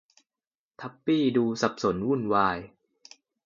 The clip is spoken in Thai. ทับปี้ดูสับสนวุ่นวาย